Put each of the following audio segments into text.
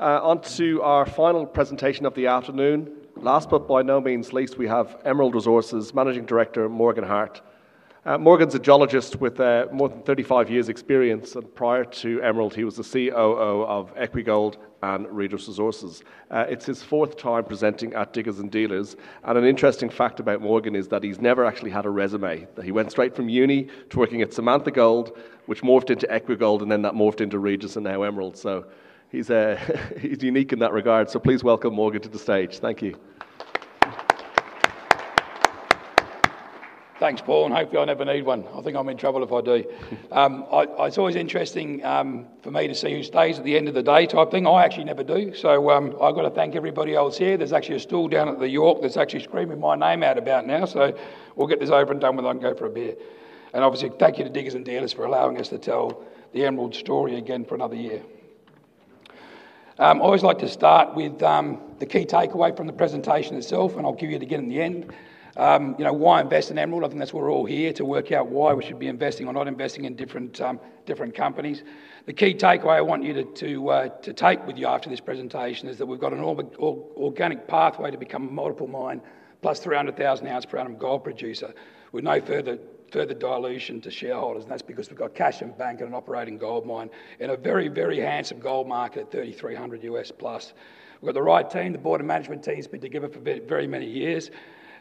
On to our final presentation of the afternoon. Last but by no means least, we have Emerald Resources Managing Director Morgan Hart. Morgan's a geologist with more than 35 years of experience, and prior to Emerald, he was the COO of Equigold and Regis Resources. It's his fourth time presenting at Diggers and Dealers. An interesting fact about Morgan is that he's never actually had a resume. He went straight from uni to working at Samantha Gold, which morphed into Equigold, and then that morphed into Regis and now Emerald. He's unique in that regard. Please welcome Morgan to the stage. Thank you. Thanks, Paul. I hope you never need one. I think I'm in trouble if I do. It's always interesting for me to see who stays at the end of the day type thing. I actually never do. I've got to thank everybody else here. There's actually a stool down at the York that's actually screaming my name out about now. We'll get this over and done with and go for a beer. Obviously, thank you to Diggers and Dealers for allowing us to tell the Emerald story again for another year. I always like to start with the key takeaway from the presentation itself, and I'll give you it again at the end. You know why invest in Emerald? I think that's why we're all here to work out why we should be investing or not investing in different companies. The key takeaway I want you to take with you after this presentation is that we've got an organic pathway to become a multiple mine plus 300,000 ounce per annum gold producer with no further dilution to shareholders. That's because we've got cash in the bank and an operating gold mine in a very, very handsome gold market at $3,300 US plus. We've got the right team. The Board of Management team's been together for very many years.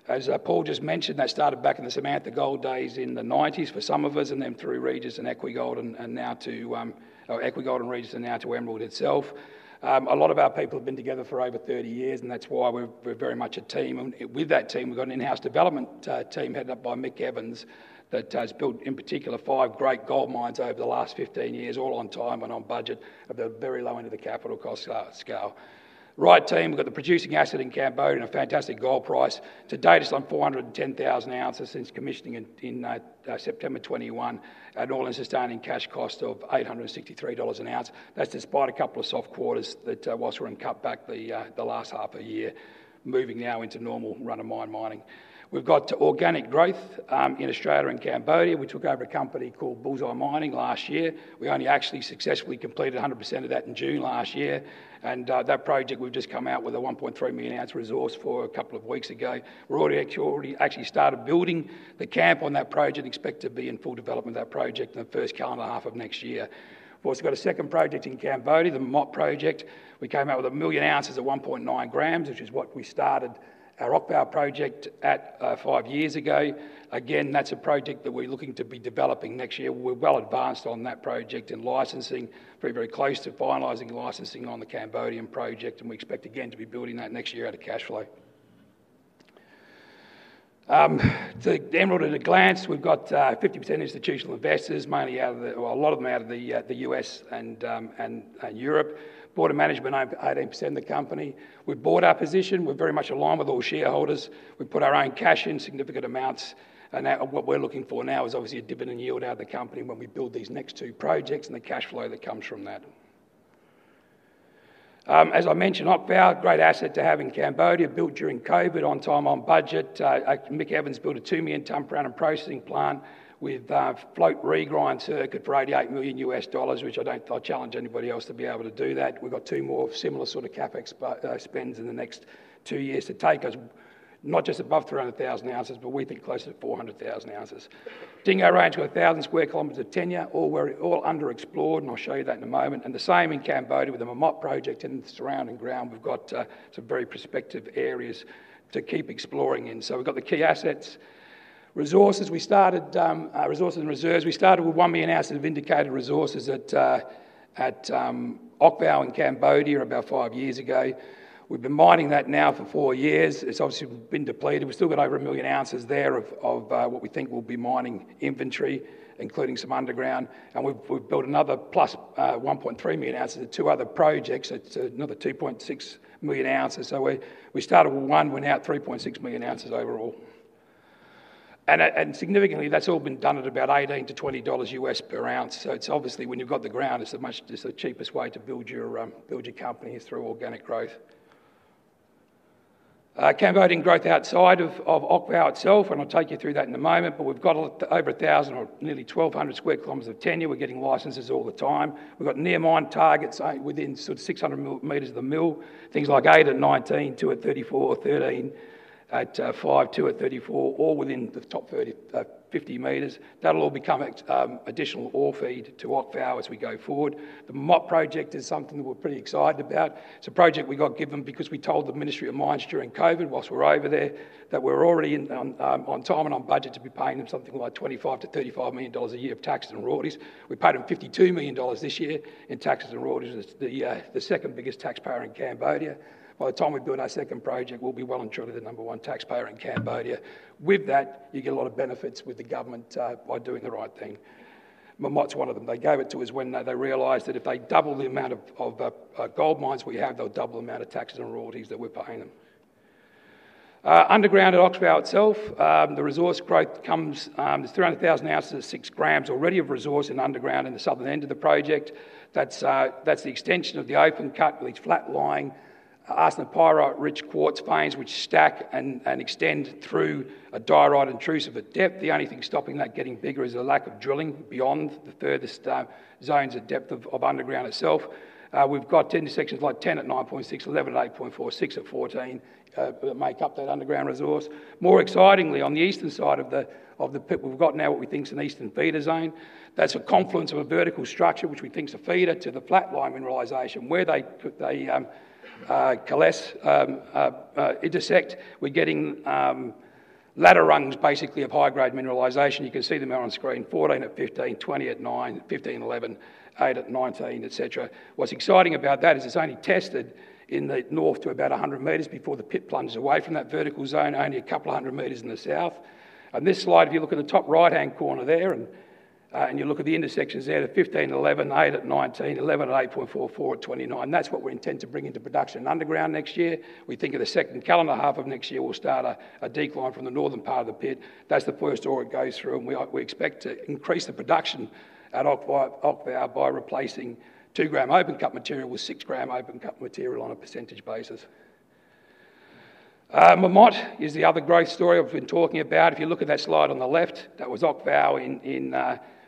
As Paul just mentioned, they started back in the Samantha Gold days in the 1990s for some of us, and then through Regis Resources and Equigold and now to Emerald itself. A lot of our people have been together for over 30 years, and that's why we're very much a team. With that team, we've got an in-house development team headed up by Mick Evans that has built in particular five great gold mines over the last 15 years, all on time and on budget at the very low end of the capital cost scale. Right team, we've got the producing asset in Cambodia and a fantastic gold price to date of some 410,000 ounces since commissioning in September 2021, at an all-in sustaining cash cost of $863 an ounce. That's despite a couple of soft quarters that whilst we're in cutback the last half a year, moving now into normal run of mine mining. We've got organic growth in Australia and Cambodia. We took over a company called Bullseye Mining last year. We only actually successfully completed 100% of that in June last year. That project, we've just come out with a 1.3 million ounce resource for a couple of weeks ago. We're already actually started building the camp on that project. Expect to be in full development of that project in the first calendar half of next year. We've also got a second project in Cambodia, the Memot Project. We came out with a million ounces at 1.9 grams, which is what we started our Okvau project at five years ago. Again, that's a project that we're looking to be developing next year. We're well advanced on that project in licensing, very, very close to finalizing licensing on the Cambodian project. We expect again to be building that next year out of cash flow. To Emerald at a glance, we've got 50% institutional investors, mainly out of the, well, a lot of them out of the U.S. and Europe. Board of Management owned 18% of the company. We bought our position. We're very much aligned with all shareholders. We put our own cash in significant amounts. What we're looking for now is obviously a dividend yield out of the company when we build these next two projects and the cash flow that comes from that. As I mentioned, Okvau, great asset to have in Cambodia, built during COVID on time, on budget. Mick Evans built a 2 million ton per annum processing plant with float regrind circuit for $88 million U.S. dollars, which I don't challenge anybody else to be able to do that. We've got two more similar sort of CapEx spends in the next two years to take us not just above 300,000 ounces, but we think closer to 400,000 ounces. Dingo Range got 1,000 sq km of tenure, all underexplored, and I'll show you that in a moment. The same in Cambodia with the Memot Project and the surrounding ground. We've got some very prospective areas to keep exploring in. We've got the key assets. Resources, we started resources and reserves. We started with 1 million ounces of indicated resources at Okvau in Cambodia about five years ago. We've been mining that now for four years. It's obviously been depleted. We've still got over a million ounces there of what we think will be mining inventory, including some underground. We've built another +1.3 million ounces at two other projects. It's another 2.6 million ounces. We started with one, we're now at 3.6 million ounces overall. Significantly, that's all been done at about $18-$20 per ounce. It's obviously when you've got the ground, it's the cheapest way to build your company is through organic growth. Cambodian growth outside of Okvau itself, and I'll take you through that in a moment, but we've got over 1,000 or nearly 1,200 sq km of tenure. We're getting licenses all the time. We've got near mine targets within sort of 600 meters of the mill, things like 8 at 19, 2 at 34, or 13 at 5, 2 at 34, all within the top 30, 50 meters. That'll all become additional ore feed to Okvau as we go forward. The Memot Project is something that we're pretty excited about. It's a project we got given because we told the Ministry of Mines during COVID whilst we were over there that we're already on time and on budget to be paying them something like $25-$35 million a year of taxes and royalties. We paid them $52 million this year in taxes and royalties. The second biggest taxpayer in Cambodia. By the time we're doing our second project, we'll be well and truly the number one taxpayer in Cambodia. With that, you get a lot of benefits with the government by doing the right thing. Memot's one of them. They gave it to us when they realized that if they double the amount of gold mines we have, they'll double the amount of taxes and royalties that we're paying them. Underground at Okvau itself, the resource growth comes, there's 300,000 ounces of 6 grams already of resource in underground in the southern end of the project. That's the extension of the open cut with its flat lying arsenic pyrite rich quartz panes which stack and extend through a diorite intrusive at depth. The only thing stopping that getting bigger is the lack of drilling beyond the furthest zones at depth of underground itself. We've got tenure sections like 10 at 9.6, 11 at 8.4, 6 at 14 that make up that underground resource. More excitingly, on the eastern side of the pit we've got now what we think is an eastern feeder zone. That's a confluence of a vertical structure which we think is a feeder to the flat lying mineralization where they intersect. We're getting ladder rungs basically of high-grade mineralization. You can see them here on screen: 14 at 15, 20 at 9, 15 at 11, 8 at 19, et cetera. What's exciting about that is it's only tested in the north to about 100 meters before the pit plunges away from that vertical zone, only a couple of hundred meters in the south. On this slide, if you look at the top right-hand corner there and you look at the intersections there at 15 at 11, 8 at 19, 11 at 8.44, 4 at 29, that's what we intend to bring into production underground next year. We think in the second calendar half of next year we'll start a decline from the northern part of the pit. That's the first ore it goes through, and we expect to increase the production at Okvau by replacing two-gram open cut material with six-gram open cut material on a percentage basis. Memot is the other growth story I've been talking about. If you look at that slide on the left, that was Okvau in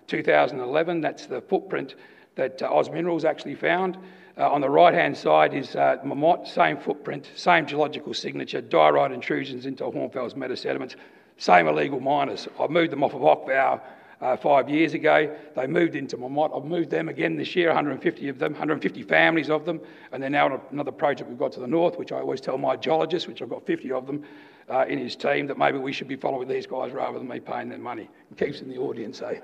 2011. That's the footprint that Oz Minerals actually found. On the right-hand side is Memot, same footprint, same geological signature, diorite intrusions into hornfels meta sediments, same illegal miners. I moved them off of Okvau five years ago. They moved into Memot. I've moved them again this year, 150 of them, 150 families of them. They're now on another project we've got to the north, which I always tell my geologist, which I've got 50 of them in his team, that maybe we should be following these guys rather than me paying them money. It keeps them the audience, say.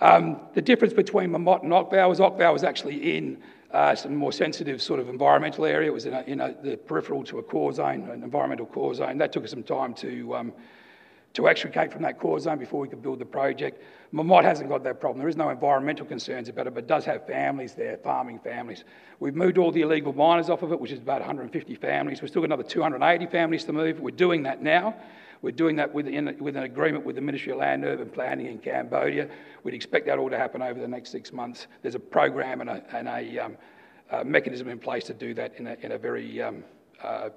The difference between Memot and Okvau is Okvau was actually in some more sensitive sort of environmental area. It was in the peripheral to a core zone, an environmental core zone. That took us some time to extricate from that core zone before we could build the project. Memot hasn't got that problem. There are no environmental concerns about it, but it does have families there, farming families. We've moved all the illegal miners off of it, which is about 150 families. We've still got another 280 families to move. We're doing that now. We're doing that with an agreement with the Ministry of Land and Urban Planning in Cambodia. We'd expect that all to happen over the next six months. There's a program and a mechanism in place to do that in a very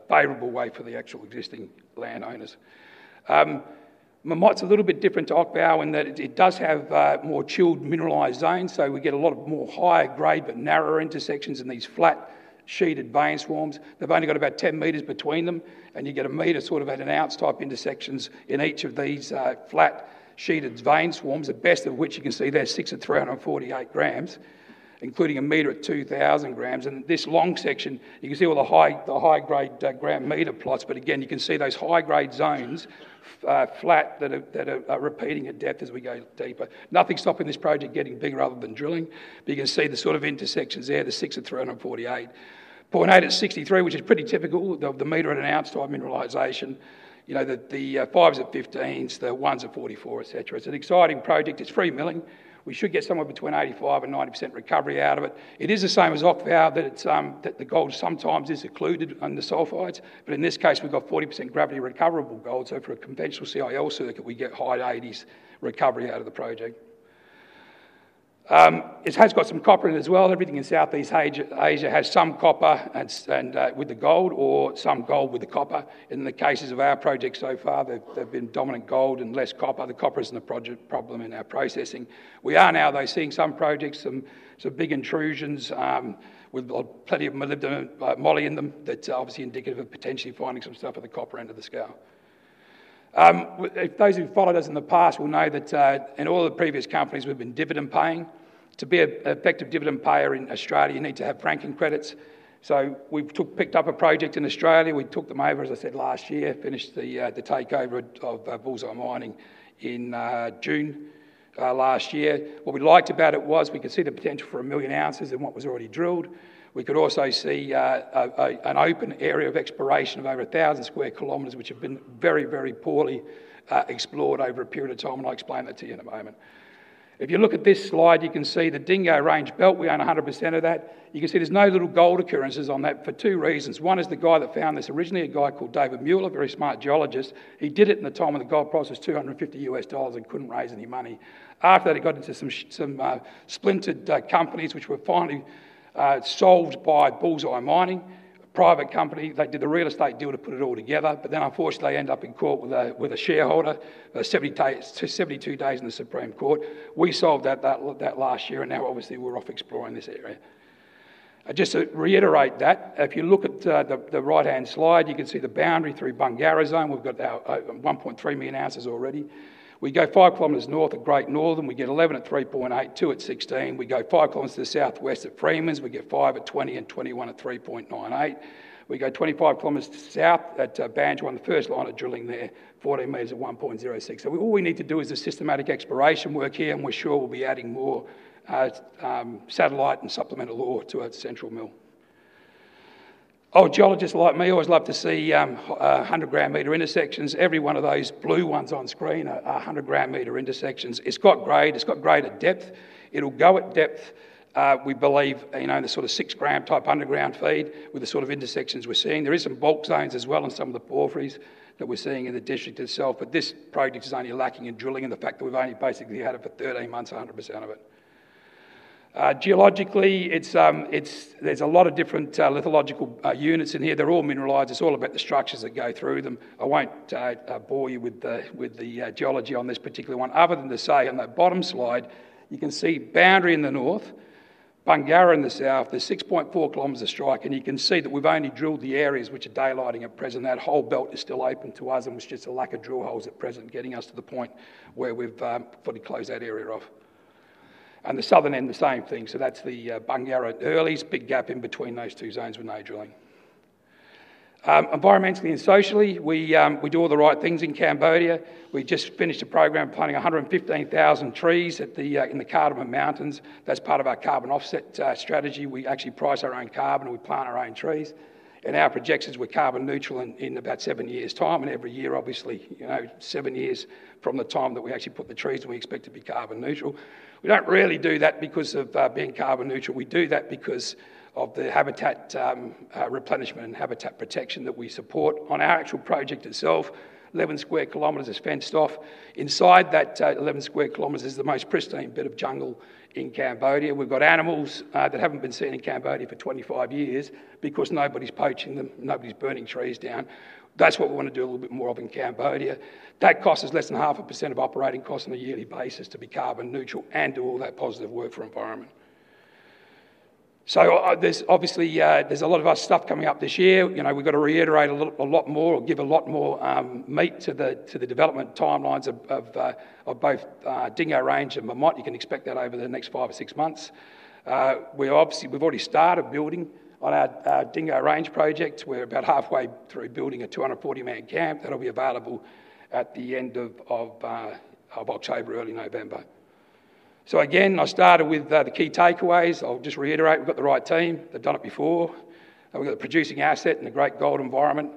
favorable way for the actual existing landowners. Memot's a little bit different to Okvau in that it does have more chilled mineralized zones. We get a lot of more higher grade, but narrower intersections in these flat sheeted vein swarms. They've only got about 10 meters between them. You get a meter sort of at an ounce type intersections in each of these flat sheeted vein swarms, the best of which you can see there's six at 348 grams, including a meter at 2,000 grams. In this long section, you can see all the high-grade gram meter plots. You can see those high-grade zones flat that are repeating at depth as we go deeper. Nothing is stopping this project getting bigger other than drilling. You can see the sort of intersections there, the 6 at 348, 463, which is pretty typical of the meter at an ounce type mineralization. You know that the 5s at 15s, the 1s at 44, et cetera. It's an exciting project. It's free milling. We should get somewhere between 85% and 90% recovery out of it. It is the same as Okvau, that the gold sometimes is occluded under sulfides. In this case, we've got 40% gravity recoverable gold. For a conventional CIL circuit, we get high 80s recovery out of the project. It has got some copper in it as well. Everything in Southeast Asia has some copper with the gold or some gold with the copper. In the cases of our project so far, there have been dominant gold and less copper. The copper isn't a problem in our processing. We are now, though, seeing some projects, some big intrusions with plenty of moly in them that's obviously indicative of potentially finding some stuff at the copper end of the scale. Those who followed us in the past will know that in all the previous companies, we've been dividend paying. To be an effective dividend payer in Australia, you need to have franking credits. We picked up a project in Australia. We took them over, as I said, last year, finished the takeover of Bullseye Mining in June last year. What we liked about it was we could see the potential for a million ounces in what was already drilled. We could also see an open area of exploration of over 1,000 sq km, which have been very, very poorly explored over a period of time. I'll explain that to you in a moment. If you look at this slide, you can see the Dingo Range Belt. We own 100% of that. You can see there's no little gold occurrences on that for two reasons. One is the guy that found this originally, a guy called David Mueller, a very smart geologist. He did it in the time when the gold price was $250 and couldn't raise any money. After that, he got into some splintered companies, which were finally solved by Bullseye Mining, a private company. They did a real estate deal to put it all together. Unfortunately, they ended up in court with a shareholder. It took 72 days in the Supreme Court. We solved that last year, and now, obviously, we're off exploring this area. I just reiterate that. If you look at the right-hand slide, you can see the boundary through Bungari Zone. We've got our 1.3 million ounces already. We go 5 km north at Great Northern. We get 11 at 3.8, 2 at 16. We go 5 km to the southwest at Freemans. We get 5 at 20 and 21 at 3.98. We go 25 kilometers to the south at Banjwan, the first line of drilling there, 14 meters at 1.06. All we need to do is the systematic exploration work here, and we're sure we'll be adding more satellite and supplemental ore to our central mill. Oh, geologists like me always love to see 100 gram meter intersections. Every one of those blue ones on screen are 100 gram meter intersections. It's got grade. It's got grade at depth. It'll go at depth. We believe in the sort of 6 gram type underground feed with the sort of intersections we're seeing. There are some bulk zones as well in some of the porphyries that we're seeing in the district itself. This project is only lacking in drilling and the fact that we've only basically had it for 13 months, 100% of it. Geologically, there's a lot of different lithological units in here. They're all mineralized. It's all about the structures that go through them. I won't bore you with the geology on this particular one. Other than to say on that bottom slide, you can see Boundary in the north, Bungari in the south, the 6.4 km of strike, and you can see that we've only drilled the areas which are daylighting at present. That whole belt is still open to us, and it's just a lack of drill holes at present getting us to the point where we've fully closed that area off. The southern end, the same thing. That's the Bungari early. It's a big gap in between those two zones when they drilling. Environmentally and socially, we do all the right things in Cambodia. We just finished a program planting 115,000 trees in the Cardamom Mountains. That's part of our carbon offset strategy. We actually price our own carbon and we plant our own trees. In our projections, we're carbon neutral in about seven years' time. Every year, obviously, you know, seven years from the time that we actually put the trees and we expect to be carbon neutral. We don't really do that because of being carbon neutral. We do that because of the habitat replenishment and habitat protection that we support. On our actual project itself, 11 sq km is fenced off. Inside that 11 sq km is the most pristine bit of jungle in Cambodia. We've got animals that haven't been seen in Cambodia for 25 years because nobody's poaching them. Nobody's burning trees down. That's what we want to do a little bit more of in Cambodia. That costs us less than 0.5% of operating costs on a yearly basis to be carbon neutral and do all that positive work for the environment. There's obviously a lot of other stuff coming up this year. We've got to reiterate a lot more or give a lot more meat to the development timelines of both Dingo Range and Memot. You can expect that over the next five or six months. We've obviously already started building on our Dingo Range projects. We're about halfway through building a 240-man camp that'll be available at the end of October, early November. I started with the key takeaways. I'll just reiterate, we've got the right team. They've done it before. We've got a producing asset in a great gold environment.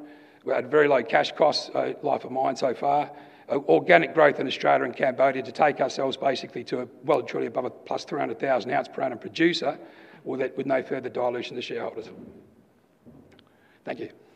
We had very low cash costs, life of mine so far. Organic growth in Australia and Cambodia to take ourselves basically to a well and truly above a +300,000 ounce per annum producer with no further dilution of the shareholders. Thank you.